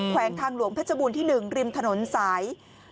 แขวงทางหลวงเพชรบูรณ์ที่หนึ่งริมถนนสาย๒๑